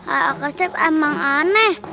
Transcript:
a a kaseb emang aneh